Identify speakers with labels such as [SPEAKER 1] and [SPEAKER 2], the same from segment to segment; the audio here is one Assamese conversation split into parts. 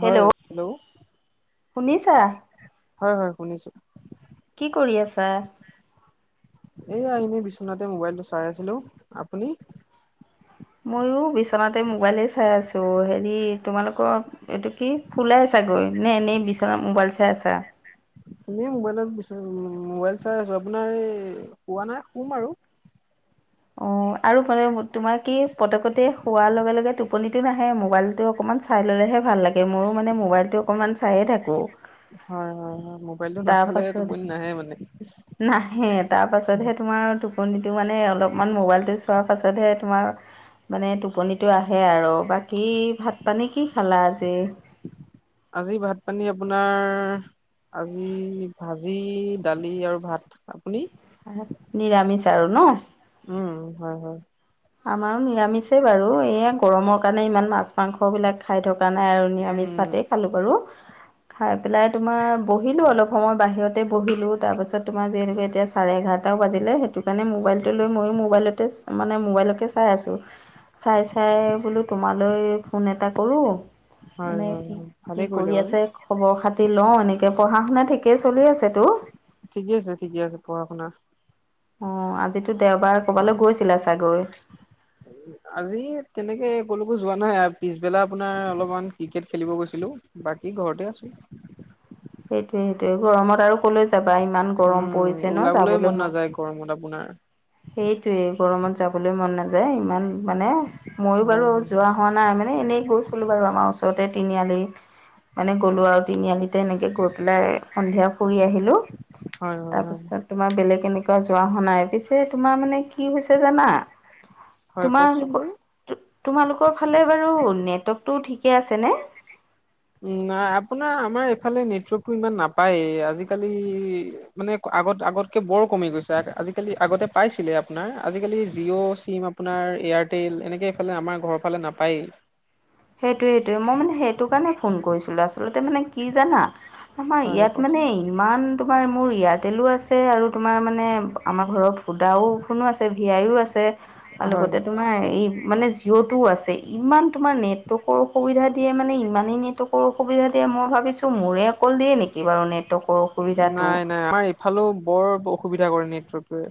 [SPEAKER 1] হেল্ল' শুনিছা?
[SPEAKER 2] হয় হয় শুনিছোঁ।
[SPEAKER 1] কি কৰি আছা?
[SPEAKER 2] এয়া এনে বিচনাতে মোবাইলটো চাই আছিলো আপুনি?
[SPEAKER 1] মইো বিচনাতে মবাইলে চাই আছো হেৰি তোমালোকৰ এইটো কি ফুলাইছা চাগৈ নে এনেই বিচনা মোবাইল চাই আছা?
[SPEAKER 2] এনেই মোবাইলত বি মোবাইল চাই আছো আপোনাৰ এই হোৱা নাই শুম আৰু।
[SPEAKER 1] অ আৰু [unintelligible] তোমাৰ কি পতকতে শোৱাৰ লগে লগে টোপনিতটো নাহে মোবাইলতটো অকমান চাই ললেহে ভাল লাগে মোৰো মানে মোবাইলটো অকণমান চাইয়ে থাকো
[SPEAKER 2] হয় হয় হয় মোবাইলটো
[SPEAKER 1] তাৰ
[SPEAKER 2] নাচালে টোপনি নাহে মানে
[SPEAKER 1] পাছত নাহে তাৰ পাছতহে তোমাৰ টোপনিটো মানে অলপমান মোবাইলটো চোৱাৰ পাছতহে তোমাৰ মানে টোপনিটো আহে আৰু বাকী ভাত পানী কি খালা আজি
[SPEAKER 2] আজি ভাত পানী আপোনাৰ আজি ভাজি দালি আৰু ভাত আপুনি
[SPEAKER 1] নিৰামিষ আৰু ন
[SPEAKER 2] উম হয় হয়
[SPEAKER 1] আমাৰো নিৰামিষে বাৰু এইয়া গৰমৰ কাৰণে ইমান মাছ মাংস বিলাক খাই থকা নাই আৰু নিৰামিষ
[SPEAKER 2] উম
[SPEAKER 1] ভাতে খালো বাৰু
[SPEAKER 2] [inaudible]
[SPEAKER 1] খাই পেলাই তোমাৰ বহিলোঁ অলপ সময় বাহিৰতে বহিলোঁ তাৰপাছত তোমাৰ যিহেতু এতিয়া চাৰে এঘাৰটা বাজিলে সেইটো কাৰণে মোবাইলটো লৈ মইও মোবাইলতে [unintelligible] মানে মোবাইলকে চাই আছোঁ চাই চাই বোলো তোমালৈ ফোন এটা কৰোঁ
[SPEAKER 2] হয়
[SPEAKER 1] মানে
[SPEAKER 2] হয়
[SPEAKER 1] কি
[SPEAKER 2] হয়
[SPEAKER 1] কি
[SPEAKER 2] ভালেই কৰিলে
[SPEAKER 1] কৰি
[SPEAKER 2] বাৰু
[SPEAKER 1] আছে খবৰ খাতি লও এনেকে পঢ়া শুনা ঠিকেই চলি আছে ত
[SPEAKER 2] ঠিকে আছে ঠিকে আছে পঢ়া শুনা
[SPEAKER 1] আহ আজিতো দেওবাৰ কৰবালৈ গৈছিলা চাগৈ
[SPEAKER 2] আজি [unintelligible] যোৱা নাই পিছবেলা আপোনাৰ অলপমান ক্ৰিকেট খেলিব গৈছিলো বাকী ঘৰতে আছো [inaudible]
[SPEAKER 1] সেইটোয়ে সেইটোয়ে গৰমত আৰু ক'লৈ যাবা ইমান গৰম
[SPEAKER 2] উম,
[SPEAKER 1] পৰিছে ন
[SPEAKER 2] ওলাবলৈ
[SPEAKER 1] যাবলৈ মন
[SPEAKER 2] নাযায় গৰমত আপোনাৰ
[SPEAKER 1] সেইটোৱে গৰমত যাবলৈ মন নাযায় ইমান মানে মইয়ো
[SPEAKER 2] হয়,
[SPEAKER 1] বাৰু
[SPEAKER 2] হয়,
[SPEAKER 1] যোৱা হোৱা নাই মানে এনেই গৈছিলো বাৰু আমাৰ ওচৰতে তিনিআলি মানে গ'লো আৰু তিনিআলি এনেকে গৈ পেলাই সন্ধিয়া ফুৰি আহিলো
[SPEAKER 2] হয়, হয়,
[SPEAKER 1] তাৰ
[SPEAKER 2] হয়,
[SPEAKER 1] পিছত তোমাৰ বেলেগ এনেকে যোৱা [unintelligible] পিছে যে তোমাৰ মানে কি হৈছে জানা
[SPEAKER 2] হয়, কওকচোন
[SPEAKER 1] তোমালোকৰ
[SPEAKER 2] বাৰু।
[SPEAKER 1] তোমালোকৰ ফালে বাৰু নেটৱৰ্কটো ঠিকে আছেনে
[SPEAKER 2] উ নাই আপোনাৰ আমাৰ এইফালে নেটৱৰ্কটো ইমান নাপায়েই আজিকালি মানে আগত আগতকৈ বৰ কমি গৈছে আজিকালি আগতে পাইছিলে আপোনাৰ আজিকালি জিঅ' চিম আপোনাৰ এয়াৰটেল এনেকে এইফালে আমাৰ ঘৰৰ ফালে নাপায়েই
[SPEAKER 1] সেইটোৱে সেইটোৱে মই মানে সেইটো কাৰণে ফোন কৰিছিলোঁ আচলতে মানে কি জানা আমাৰ
[SPEAKER 2] হয়,
[SPEAKER 1] ইয়াত
[SPEAKER 2] কওকচোন
[SPEAKER 1] মানে ইমান তোমাৰ মোৰ এয়াৰটেলো আছে আৰু তোমাৰ মানে আমাৰ ঘৰত ভোদাফনো আছে ভি আাইও আছে আৰু
[SPEAKER 2] হয়।
[SPEAKER 1] লগতে তোমাৰ এই মানে জিঅ' টোও আছে ইমান তোমাৰ নেট [unintelligible] অসুবিধা দিয়ে মানে ইমানেই নেটৱৰ্কৰ অসুবিধা দিয়ে মই ভাবিছোঁ মোৰে অকল দিয়ে নেকি বাৰু নেট
[SPEAKER 2] নাই নাই আমাৰ এইফালে বৰ অসুবিধা কৰে নেটৱৰ্কটোৱে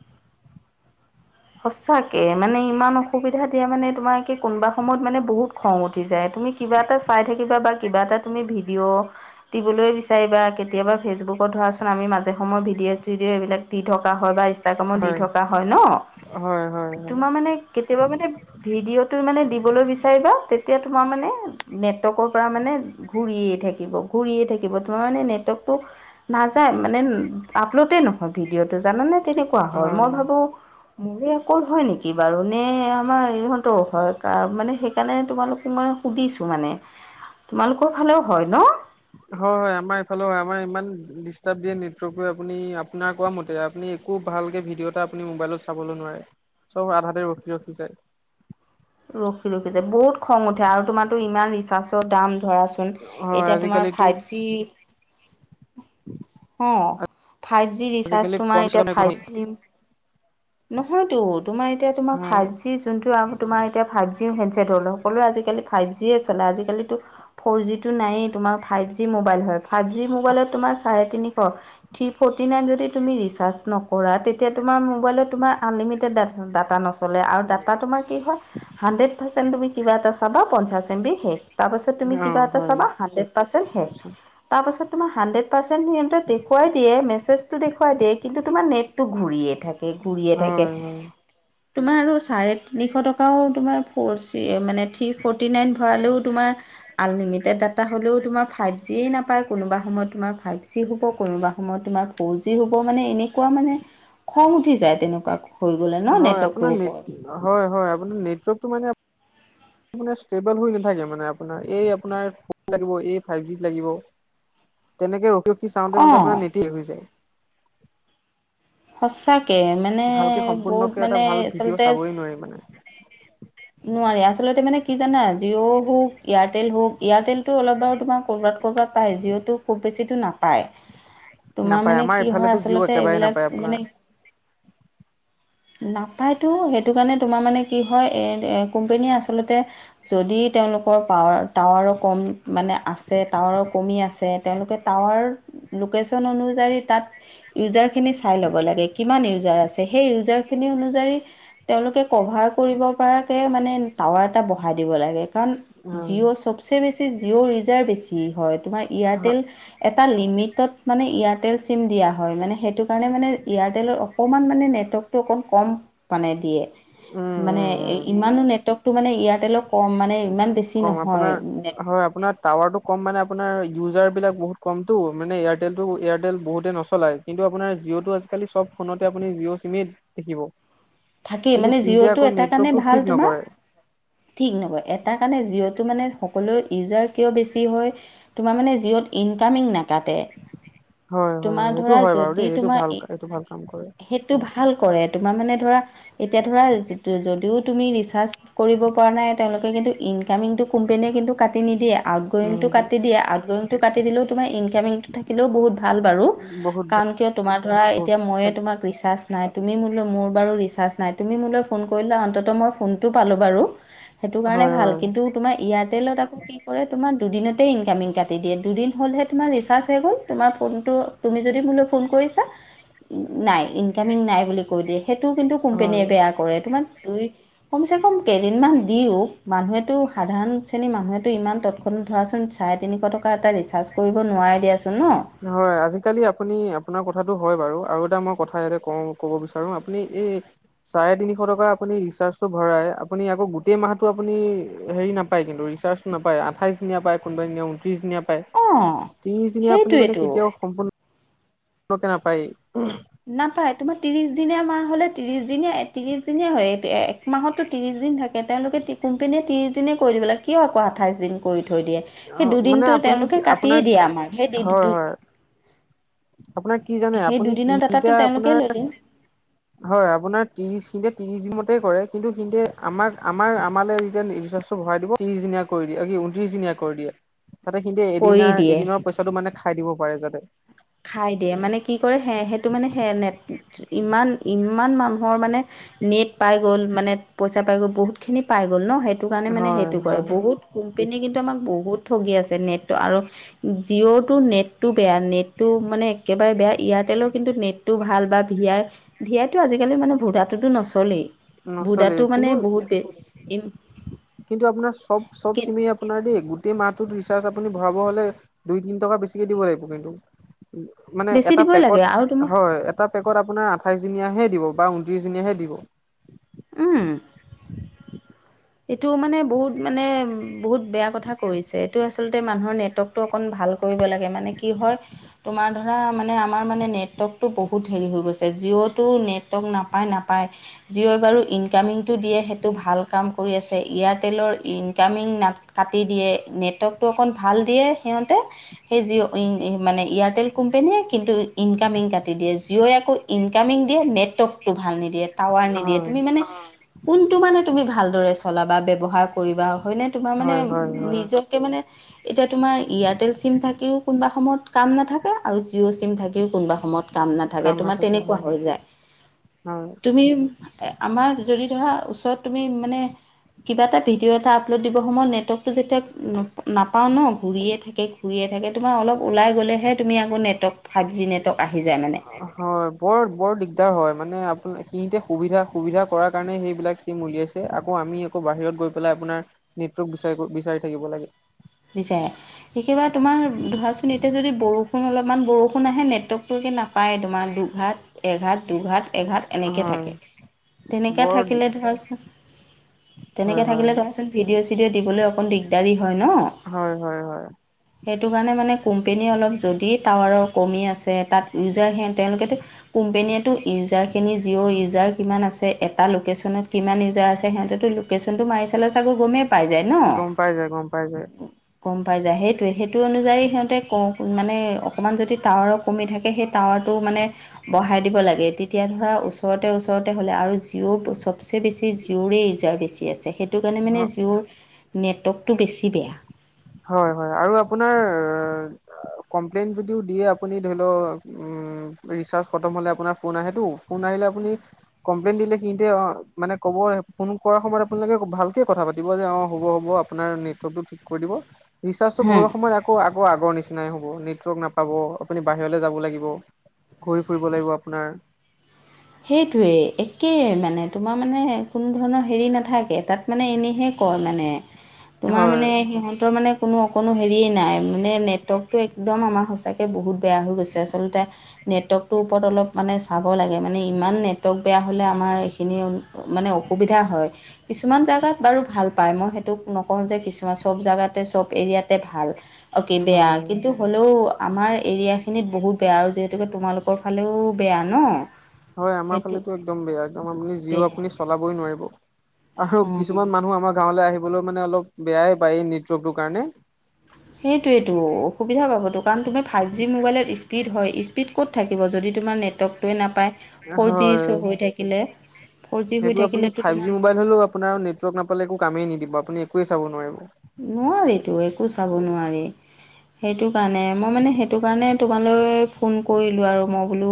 [SPEAKER 1] সচাকে মানে ইমান অসুবিধা এতিয়া মানে তোমাৰ কি কোনোবা সময়ত মানে বহুত খং উঠি যায় তুমি কিবা এটা চাই থাকিবা বা কিবা এটা তুমি ভিডিঅ' দিবলৈ বিচাৰিব বা কেতিয়াবা ফেচবুকত ধৰাচোন আমি মাজে সময় ভিডিঅ' চিডিঅ' এইবিলাক ট থকা বা কামত দি থকা হয় ন
[SPEAKER 2] হয়, হয়, হয়,
[SPEAKER 1] তোমাৰ মানে কেতিয়াবা মানে ভিডিঅ' তটো মানে দিবলৈ বিচাৰিবা তেতিয়া তোমাৰ মানে নেটৱৰ্কৰ পৰা মানে ঘৰিয়েই থাকে থাক ঘূৰিে থাকিব তোমাৰ মানে নেটৱৰ্কটো নাযায় মানে আপলোডেই নহয় ভিড ভিডিঅ'টো জানোনে তেনেকুৱা হ'ল
[SPEAKER 2] হয়।
[SPEAKER 1] মই ভাবো মোৰ অকল হয় নেকি বাৰু নে আমাৰ ইহঁতৰ হয় মানে সেইকাৰণে তোমালোক মই সুধিছো মানে তোমালোকৰ ফালেও হয় ন
[SPEAKER 2] হয় হয় আমাৰ এইফালে হয় আমাৰ ইমান ডিষ্টাব দিয়ে নেটৰ্ক আপুনি আপোনাৰ ক মতে আপুনি একো ভালকে ভিডিঅ' এটা আপুনি মোবাইলত চাবলৈ নোৱাৰে চব আধ হাতে ৰখি ৰখি যায়
[SPEAKER 1] ৰখি ৰখিছে বহুত খং উঠে আৰু তোমাৰো ইমান ৰিচাৰ্ছৰ দাম ধৰাচুন
[SPEAKER 2] হয়
[SPEAKER 1] এতিয়া তোমাৰ
[SPEAKER 2] আজিকালিতো
[SPEAKER 1] ফাইভ জি অহ, ফাইভ জি ৰিচাৰ্জ
[SPEAKER 2] আজিকালি কম
[SPEAKER 1] তোমাৰ এতিয়া
[SPEAKER 2] চলে
[SPEAKER 1] ফাইভ
[SPEAKER 2] নহয়।
[SPEAKER 1] জি নহয়তো তোমাৰ এতিয়া তোমাৰ
[SPEAKER 2] হয়
[SPEAKER 1] ফাইভ জি যোনটো আৰু তোমাৰ এতিয়া ফাইভ জি, টি হেণ্ডচেট হ'ল সকলোৱে আজিকি ফাইভ জিয়ে চলে আজিকালিতো ফ'ৰ জিটো নয়েই তোমাৰ ফাইভ জি মোবাইল হয় ফাইভ জি মোবাইলত তোমাৰ চাৰে তিনি থ্ৰী ফ'ৰ্টি নাইন যদি তুমি ৰিচাৰ্জ নকৰা তেতিয়া তোমাৰ মোবাইলত, তোমাৰ আনলিমিটেডা ডাটা নচলে আৰু ডাটা তোমাৰ কি হয় হাণ্ড্ৰেড পাৰ্চেণ্ট তুমি কিবাটা চাবা পঞ্চা এম বি শেষ। তাৰপাছত তুমি
[SPEAKER 2] অ
[SPEAKER 1] কিবা এটা
[SPEAKER 2] হয়
[SPEAKER 1] চাবা হাড্ৰেড পাৰ্চেণ্ট শেষ, তাৰপাছত তোমাৰ হাণ্ড্ৰেড পাৰ্চেণ্ট স দেখুৱাই দিয়ে মেজটো দেখুৱাই দিয় কিন্তু টোমাৰ নেটটো ঘূৰিয়ে থাকে। ঘূৰিয়ে থাকে
[SPEAKER 2] হয়-হয়।
[SPEAKER 1] তোমাৰ চাৰে তিনিশ টকাও তোমাৰ ফ জি মানে, থ্ৰী ফ'ৰ্টি নাইন ভৰালেও তোমাৰ আনলিমিটেড ডাটা হ'লেও তোমাৰ ফাইভ জিয়ে নাপায় কোনোবা, সময়ত তোমাক ফাইভ জি হ'ব কোনোবা সময়ত তোমাৰ ফ'ৰ জি হ'ব মানে এনেকুৱা মানে খং উঠি যায়। তেনেকুৱা। হৈ গ'লে ন
[SPEAKER 2] হয়
[SPEAKER 1] নেটৱৰ্কটোৰ
[SPEAKER 2] আপোনাৰ নেট
[SPEAKER 1] ওপৰত
[SPEAKER 2] হয়-হয় আপোনাৰ নেটৱৰ্কটো মানে ষ্টেবুল হৈ নাথাকে মানে আপোনাৰ এই আপোনাৰ ফ লাগ এই ফাইভ জ লাগিব। তেনেকে ৰখি-ৰখি চাওঁতে-চাওঁতে
[SPEAKER 1] অঁ
[SPEAKER 2] আপোনাৰ নেততেই শেষ হৈ যায়।
[SPEAKER 1] সঁচাকে মানে
[SPEAKER 2] ভালকে
[SPEAKER 1] বহুত
[SPEAKER 2] সম্পূৰ্ণকে এটা
[SPEAKER 1] মানে
[SPEAKER 2] ভাল ভিডিঅ'
[SPEAKER 1] আচলতে
[SPEAKER 2] চাবই নোৱাৰি মানে
[SPEAKER 1] নোৱাৰি আচলতে মানে কি জানা জিঅ' হওক এয়াৰটেল হওক এয়াৰটেলতটো অলপ বাৰু তোমাৰ কবাত ক'ৰবাত পায় যিঅ'টো খুব বেছিটো নাপায়। তোমাৰ
[SPEAKER 2] নাপায়
[SPEAKER 1] মানে
[SPEAKER 2] আমাৰ
[SPEAKER 1] কি হয়
[SPEAKER 2] এইফালেতো জিঅ'
[SPEAKER 1] আচলতে
[SPEAKER 2] একেবাৰে
[SPEAKER 1] এইবিলাক
[SPEAKER 2] নাপায় আপোনাৰ
[SPEAKER 1] মানে নাপায়তো সেইটো কাৰণে তোমাৰ মানে কি হয় কোম্পেনীয়ে আচলতে যদি তেওঁলোকৰ পাৱাৰ টাৱাৰো কম মানে আছে, টাৱাৰো কমি আছে তেওঁলোকে টাৱাৰ লোকেশ্যন অনুযায়ী তাত ইউজাৰখিনি চাই ল'ব লাগে কিমান ইউজাৰ আছে সেই ইউজাৰ। খিনি অনুযায়ী তেওঁলোকে কভাৰ কৰিব পৰাকে মানে টাৱাৰ এটা বঢহাই দিব লাগে। কাৰণ
[SPEAKER 2] হয়,
[SPEAKER 1] জিঅ' চবচে বেছি জিঅ' উজাৰ বেছি হয়। তোমাৰ এয়াৰটেল এটা লিমিটত মানে এয়াৰটেল চিম দিয়া হয় মানে। সেইটো কাৰণে মানে এয়াৰটেলত অকণমান মানে নেটৱৰ্কটো অকণ কম মানে দিয়ে।
[SPEAKER 2] উম,
[SPEAKER 1] মানে
[SPEAKER 2] উম, উম,
[SPEAKER 1] ইমানো নেটৱৰ্কতটো মানে এয়াৰটেলৰ কম মানে ইমান বেছি
[SPEAKER 2] কম
[SPEAKER 1] নহয়
[SPEAKER 2] আপোনাৰ
[SPEAKER 1] নেট
[SPEAKER 2] হয় আপোনাৰ টাৱাৰটো কম মানে। আপোনাৰ ইউজাৰবিলাক বহুত কমতটো মানে এয়াৰটেলটো এয়াৰটেল বহুতেই নচলায় কিন্তু আপোনাৰ জিঅ'টো আজি খালি চব ফোনতে আপুনি জিঅ' চিমে দেখিব।
[SPEAKER 1] থাকেই
[SPEAKER 2] কিন্তু
[SPEAKER 1] মানে
[SPEAKER 2] সিহঁতে
[SPEAKER 1] জিঅটো
[SPEAKER 2] আকৌ
[SPEAKER 1] এটা কাৰণে
[SPEAKER 2] নেটৱৰ্কটো
[SPEAKER 1] ভাল
[SPEAKER 2] ঠিক
[SPEAKER 1] তোমাৰ
[SPEAKER 2] নকৰে।
[SPEAKER 1] ঠিক নকয় এটা, সেইকাৰণে জঅ'টো মানে সকলোৰে ইউজাৰ কিয় বেছি হয় তোমাৰ মানে জিঅ'ত ইনকামিং নাকা তে।
[SPEAKER 2] হয়, হয়,
[SPEAKER 1] তোমাৰ
[SPEAKER 2] হয়, এইটো
[SPEAKER 1] ধৰা
[SPEAKER 2] হয় বাৰু
[SPEAKER 1] যদি
[SPEAKER 2] দেই এইটো
[SPEAKER 1] তোমাৰ
[SPEAKER 2] ভাল
[SPEAKER 1] এই
[SPEAKER 2] এইটো ভাল কাম কৰে
[SPEAKER 1] সেইটো ভাল কৰে তোমাৰ মানে ধৰা। এতিয়া ধৰা যদিও তুমি ৰিচাৰ্চ কৰিব পৰা নাই তেওঁলোকে। কিন্তু ইনকামিং টো কোম্পানীয়ে কিন্তু। কাটি নিদিয়ে
[SPEAKER 2] উম,
[SPEAKER 1] আউটগয়িংটো কাটি দিয়ে, আউটগয়িংটো কাটি দিলেও তোমাৰ ইনকামিংটো থাকিলেও বহুত ভাল বাৰু।
[SPEAKER 2] বহুত বহুত
[SPEAKER 1] কাৰণ কিয় তোমাৰ ধৰা এতিয়া ময়ে তোমাক ৰিচাৰ্জ। নাই, তুমি মোলৈ মোৰ বাৰু ৰিচাৰ্জ নাই তুমি মোলৈ ফোন কৰিলে অন্তত মই ফোনটো পালোঁ বাৰু। সেইটো কাৰণে
[SPEAKER 2] হয়,
[SPEAKER 1] ভাল,
[SPEAKER 2] হয়,
[SPEAKER 1] কিন্তু তোমাৰ এয়াৰটেলত আকৌ কি কৰে তোমাৰ। দুদিনতেই ইনকামিং কাটি দিয়ে, দুদিন হ'লহে তোমাৰ ৰিচাৰ্জ শেষ হল, তোমাৰ ফোনটো তুমি যদি মোলৈ ফোন কৰি। কৰিছা, নাই ইনকামিং নাই বুলি কৈ দিয়ে সেইটো। কোম্পানীয়ে
[SPEAKER 2] হয়।
[SPEAKER 1] বেয়া কৰে তোমাৰ দুই। কমচে কম কেইদিনমান দিওক, মানুহেতো সাধাৰণ শ্ৰেণীৰ মানুহে। ইমান তৎক্ষনাত ধৰাচোন চাৰে তিনিশ টকা এটা ৰিচাৰ্জ কৰিব নোৱাৰে দিয়াচোন। ন
[SPEAKER 2] হয়, আজিকালি আপুনি আপোনাৰ ক কথাটো হয় বাৰু আৰু এটা মই কথা ইয়াতে ক‌ও কব বিচাৰো আপুনি এই চাৰে তিনিশ টকা আপুনি। ৰিচাৰ্জটো ভৰাই আপুনি আকৌ গোটেই মাহটো আপুনি হেৰি নাপাই কিন্তু ৰিচাৰ্জ নাপায়, আঠাইছ দিনীয়া পায়। কোনোবাই ঊনত্ৰিশ দিনীয়া পায়,
[SPEAKER 1] অঁ
[SPEAKER 2] ত্ৰিশ দিনীয়া আপুনি মানে
[SPEAKER 1] সেইটোৱেতো
[SPEAKER 2] কেতিয়াওঁ সম্পূৰ্ণ। [unintelligible] নাপায়হি।
[SPEAKER 1] নাপায়, তোমাৰ ত্ৰিশ দিনীয়া মাহ হলে ত্ৰিশ দিনীয়া ত্ৰিশ দিনীয়া হয় এক এক মাহতো ত্ৰিশ। দিন থাকে, তেওঁলোকে কোম্পেনীয়ে ত্ৰিশ দিনে কৰি দিব লাগে কিয় আকৌ আঠাইশ দিন কৰি। দিয়ে সেই
[SPEAKER 2] মানে
[SPEAKER 1] দুদিনটো
[SPEAKER 2] আপুনি
[SPEAKER 1] তেওঁলোকে
[SPEAKER 2] আপোনাৰ
[SPEAKER 1] কাটিয়ে দিয়ে আমাক
[SPEAKER 2] হয়
[SPEAKER 1] সেই।
[SPEAKER 2] হয় আপোনাৰ কি জানে
[SPEAKER 1] সেই
[SPEAKER 2] আপুনি সি
[SPEAKER 1] দুদিনৰ ডাটাটো
[SPEAKER 2] এতিয়া
[SPEAKER 1] তেওঁলোকে
[SPEAKER 2] আপোনাৰ।
[SPEAKER 1] লৈ দিয়ে
[SPEAKER 2] হয় আপোনাৰ ত্ৰিশ দিনে ত্ৰিশ দিন মতে। কৰে কিন্তু কিন্ত আমাক আমাৰ আমালে যেতিয়া ৰিচাৰ্ছটো ভৰাই দিব ত্ৰিশ দিনীয়া কৰি দিয়ে কি উনত্ৰিশ দিনীয়া। কৰি দিয়ে, তাতে সি
[SPEAKER 1] কৰি
[SPEAKER 2] এদিনাৰ
[SPEAKER 1] দিয়ে
[SPEAKER 2] এদিনৰ পইচাটো মানে খাই দিব পাৰে যাতে।
[SPEAKER 1] খাই দিয়ে মানে কি কৰে সে সেইটো মানে সে নেট ইমান ইমান মান। মোৰ মানে নেট পাই গ'ল মানে পইচা পাই গ'ল বহুত খিনি পাই গ'ল। গ'ল ন সেইটো কাৰণে মানে
[SPEAKER 2] হয়
[SPEAKER 1] সেইটো কৰে
[SPEAKER 2] হয়
[SPEAKER 1] বহুত কোম্পেনীয়ে কিন্তু আমাক বহুত। ঠগি আছে নেটটো আৰু জিঅ'টো নেটটো বেয়া নেট। নেটটো মানে একেবাৰে বেয়া এয়াৰটেলৰ কিন্তু নেটটো ভাল বা ভি আই ভি আইটো আজিকালি মানে ভু ডা টো। টো নচলেই
[SPEAKER 2] নচলে
[SPEAKER 1] ভুডাটো
[SPEAKER 2] কিন্তু
[SPEAKER 1] মানে বহুত বে [unintelligible]
[SPEAKER 2] কিন্তু আপোনাৰ চব- চব চিমেই আপোনাৰ দেই। গোটেই মাহটোত ৰিচাৰ্জ আপুনি ভৰাব হলে দুই তিন টকা বেছিকে দিব লাগিব কিন্তু। মানে
[SPEAKER 1] বেছি
[SPEAKER 2] এটা
[SPEAKER 1] দিবই লাগে আৰু তোমাৰ
[SPEAKER 2] পেকত হয় এটা পেকত আপোনাৰ আঠাইশ দিনীয়া হে। দিব বা ঊনত্ৰিশ দিনীয়াহে দিব।
[SPEAKER 1] উম। এইটো মানে বহুত মানে বহুত বেয়া কথা কৈছে এইটো আচলতে। মানুহৰ নেটৱৰ্কটো অকণ ভাল কৰিব লাগে, মানে কি হয় তোমাৰ ধৰা মানে, আমাৰ মানে নেটৱৰ্ক। টো বহুত হেৰি হৈ গৈছে, জিঅ' টো নেটৱৰ্ক নাপাই নাপাই, জিঅ'ই বাৰু ইনকামিং টো দিয়ে। সেইটো ভাল কাম। কৰি আছে, এয়াৰটেলৰ ইনকামিং নাট কাটি দিয়ে, নেটৱৰ্কটো অকণ ভাল দিয়ে। সিহঁতে, সেই জিঅ' ইন মানে এয়াৰটেল কোম্পেনীয়ে কিন্তু ইনকামিং কাটি দিয়ে, জিঅ' আকো। ইনকামিং দিয়ে, নেটৱৰ্কটো ভাল নিদিয়ে। টাৱাৰ নিদিয়ে,
[SPEAKER 2] হয়
[SPEAKER 1] তুমি মানে কোনটো মানে তুমি ভালদৰে চলা বা ব্যৱহাৰ। কৰিবা হয়নে তোমাৰ মানে,
[SPEAKER 2] হয় হয় হয়
[SPEAKER 1] নিজকে মানে। এতিয়া তোমাৰ এয়াৰটেল চিম থাকিও কোনোবা সময়ত কাম নাথাকে। আৰু জিঅ' চিম থাকিও কোনোবা সময়ত কাম নাথাকে, তোমাৰ তেনেকুৱা হৈ যায়।
[SPEAKER 2] হয়।
[SPEAKER 1] তুমি আমাৰ যদি ধৰা ওচৰত তুমি মানে। কিবা এটা ভিডিঅ' এটা আপলোড দিবৰ সময়ত নেটৱৰ্কটো যেতিয়া নাপাওঁ ন' ঘূৰিয়ে থাকে, ঘূৰিয়ে। ঘূৰিয়ে থাকে তোমাৰ অলপ ওলাই গ'লেহে তুমি আকৌ নেটৱৰ্ক। ফাইভ জি নেটৱৰ্ক আহি যায় মানে
[SPEAKER 2] হয় বৰ বৰ দিগদাৰ হয় মানে। সি তে সুবিধা -সুবিধা কৰাৰ কাৰণে সেইবিলাক চিম উলিয়াইছে আকৌ আমি আকৌ বাহিৰত গৈ পেলাই আপোনাৰ নেটৱৰ্ক বিচাৰ বিচাৰি থাকিব লাগে
[SPEAKER 1] বিচাৰে একেবাৰে তোমাৰ ধৰাচোন এতিয়া যদি বৰষুণ অলপমান বৰষুণ আহে নেটৱৰ্কটো। নাপায় তোমাৰ দুঘাট এঘাট দুঘাট। এঘাত এনেকৈ
[SPEAKER 2] হয়
[SPEAKER 1] থাকে তেনেকৈ
[SPEAKER 2] বৰ দি
[SPEAKER 1] থাকিলে ধৰাচোন।
[SPEAKER 2] হয়
[SPEAKER 1] তেনেকৈ
[SPEAKER 2] হয়
[SPEAKER 1] থাকিলে তৰাচোন ভিডিঅ' চিডিঅ' দিবলৈ অকণ দিগদাৰী হয় ন।
[SPEAKER 2] হয় হয় হয়
[SPEAKER 1] সেইটো কাৰণে মানে কোম্পনী অলপ যদি টাৱাৰৰ কমি আছে। তাত ইউজাৰ সে তেওঁলোকেতো কোম্পেনীয়েতো ইউজাৰখিনি জিঅ' ইউজাৰ কিমান আছে। এটা লোকেশ্যনত কিমান ইউজাৰ আছে সিহঁতেতো লোকেশচনটো মাৰি চালে চাগৈ গমেই। পাই যায় ন
[SPEAKER 2] গম পাই যায় গম পাই যায়।
[SPEAKER 1] গম পাই যায় সেইটোৱে সেইটো অনুযায়ী সিহঁতে ক মানে। অকণমান যদি টাৱাৰো কমি থাকে সেই টাৱাৰটো মানে বঢ়াই দিব লাগে তেতিয়া ধৰা। ওচৰতে ওচৰতে হ'লে আৰু জিঅ'ৰ চবচে বেছি জিঅ'ৰে ইউজাৰ বেছি আছে সেই। সেইটো কাৰণে মানে জিঅ'ৰ নেটৱৰ্কটো বেছি বেয়া
[SPEAKER 2] হয় হয় আৰু আপোনাৰ অ কমপ্লেইন যদিও দিয়ে আপুনি ধৰি লও উম ৰিচাৰ্জ খতম হলে আপোনাৰ ফোন আহে টো ধৰি ল আপুনি কমপ্লেইন দিলে কিন্তু অ মানে কব ফোন কৰা সময়ত আপোনালোকে ভাল কে কথা পাতিব কব যে অ হ'ব হব' আপোনাৰ নেটৱৰ্কটো ঠিক কৰি দিব ৰিৰ্জাটো
[SPEAKER 1] হা
[SPEAKER 2] ভৰোৱা সময়ত আকৌ আকৌ আগৰ নিচিনা নাই হ'ব নেটৱৰ্ক নাপাব আপুনি বাহিৰলৈ যাব লাগিব ঘূৰি ফুৰিব লাগিব আপোনাৰ
[SPEAKER 1] সেইটোৱে একে মানে তোমাৰ মানে কোনো ধৰণৰ হেৰি নাথাকে তাত মানে এনেহে কয় মানে তোমাৰ
[SPEAKER 2] হয়
[SPEAKER 1] মানে সিহঁতৰ মানে কোনো অ কোনো হেৰিয়ে নাই মানে নেটৱৰ্কটো একদম আমাৰ সঁচাকৈ বহুত বেয়া হৈ গৈছে আচলতে নেটৱৰ্কটোৰ ওপৰত অলপ মানে চাব লাগে মানে ইমান নেটৱৰ্ক বেয়া হ'লে আমাৰ এইখিনি মানে অসুবিধা হয় কিছুমান জাগাত বাৰু ভাল পাই মই সেইটোক নকওঁ যে কিছুমান চব জাগাতে চব এৰিয়াতে ভাল অ'কে
[SPEAKER 2] হয়
[SPEAKER 1] বেয়া
[SPEAKER 2] হয়
[SPEAKER 1] কিন্তু হ'লেও আমাৰ এৰিয়া সেইখিনিত বহুত বেয়া আৰু যিহেতুকে তোমালোকৰ ফালেও বেয়া ন
[SPEAKER 2] হয় আমাৰ
[SPEAKER 1] সেইটো
[SPEAKER 2] ফালেতো একদম বেয়া একদম আপুনি জিঅ
[SPEAKER 1] বেয়া
[SPEAKER 2] আপুনি চলাবই নোৱাৰিব আৰু
[SPEAKER 1] অ
[SPEAKER 2] কিছুমান মানুহ আমাৰ গাঁৱলৈ আহিবলে মানে অলপ বেয়াই পায় এই নেটৱৰ্কটোৰ কাৰণে
[SPEAKER 1] সেইটোৱেটো অসুবিধা পাবতো কাৰণ তুমি ফাইভ জি মোবাইলত স্পীড হয় স্পীড ক'ত থাকিব যদি তোমাৰ নেটৱৰ্কটোৱে নাপায় ফ'ৰ জি
[SPEAKER 2] হয়।
[SPEAKER 1] চৌ হৈ থাকিলে ফ'ৰ জি হৈ
[SPEAKER 2] সেইটো আপুনি
[SPEAKER 1] থাকিলেতো
[SPEAKER 2] ফাইভ জি
[SPEAKER 1] তোমাৰ
[SPEAKER 2] মোবাইল হ'লেও আপোনাৰ নেটৱৰ্ক নাপালে একো কামেই নিদিব আপুনি একোৱে চাবই নোৱাৰিব
[SPEAKER 1] নোৱাৰিতো একো চাব নোৱাৰি সেইটো কাৰণে মই মানে সেইটো কাৰণে তোমালৈ ফোন কৰিলোঁ আৰু মই বোলো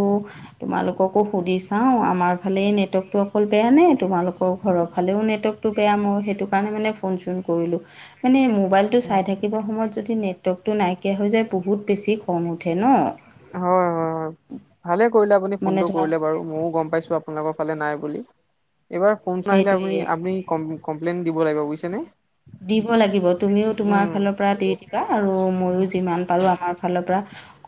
[SPEAKER 1] তোমালোককো সুধি চাওঁ আমাৰ ফালে এই নেটৱৰ্কটো কল বেয়া নে তোমালোকৰ ঘৰৰ ফালেও নেটৱৰ্কটো বেয়া মোৰ সেইটো কাৰণে মানে ফোন চোন কৰিলোঁ মানে মোবাইলটো চাই থাকিব সময়ত যদি নেট নেটৱৰ্কটো নাইকিয়া হৈ যায় বহুত বেছি খং উঠে ন
[SPEAKER 2] হয় হয় হয় ভালে কৰিলা আপুনি
[SPEAKER 1] মানে
[SPEAKER 2] ফোনটো
[SPEAKER 1] ধৰা
[SPEAKER 2] কৰিলে বাৰু ময়ও গম পাইছো আপোনালোকক ফালে নাই বুলি এইবাৰ ফোনছোন আহিলে আপুনি
[SPEAKER 1] সেইটোৱেই
[SPEAKER 2] আপুনি কমপ্লেইন দিব লাগিব বুইছে নে
[SPEAKER 1] দিব লাগিব তুমিও তোমাৰ ফালৰ পৰা দি দিবা আৰু ময়ও যিমান পাৰো আমাৰ ফালৰ পৰা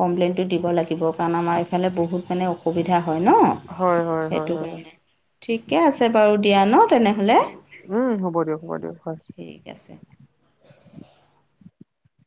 [SPEAKER 1] কমপ্লেইনটো দিব লাগিব কাৰণ আমাৰ এইফালে বহুত মানে অসুবিধা হয় ন
[SPEAKER 2] হয় হয় হয়
[SPEAKER 1] সেইটো
[SPEAKER 2] হয়
[SPEAKER 1] কাৰণে ঠিকেই আছে বাৰু দিয়া ন তেনেহলে
[SPEAKER 2] উম হ'ব দিয়ক হ'ব দিয়ক হয়।
[SPEAKER 1] ঠিক আছে